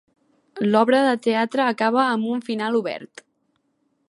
L’obra de teatre acaba amb un final obert.